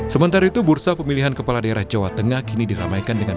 sementara itu bursa pemilihan kepala daerah jawa tengah kini diramaikan dengan